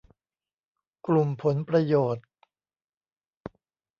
กลุ่มผลประโยชน์